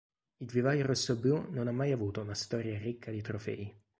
Il vivaio rossoblu non ha mai avuto una storia ricca di trofei.